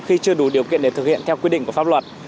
khi chưa đủ điều kiện để thực hiện theo quy định của pháp luật